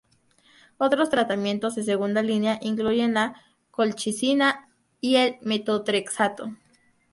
Otros tratamientos de segunda línea incluyen la colchicina y el metotrexato.